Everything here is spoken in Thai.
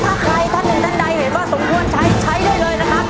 ถ้าใครท่านหนึ่งท่านใดสมวนใช้ใช้ด้วยเลยนะครับ